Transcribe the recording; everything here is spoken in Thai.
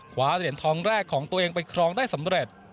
ขวาเหรียญทองแรกของตัวเองไปครองได้สำเร็จ